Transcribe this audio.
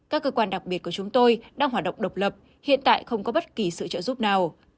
các cơ quan đặc biệt của chúng tôi đang hoạt động độc lập hiện tại không có bất kỳ sự trợ giúp nào